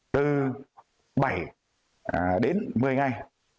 từ bảy đến một mươi ngày